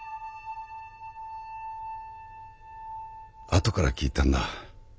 後から聞いたんだ。